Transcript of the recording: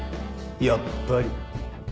やっぱり。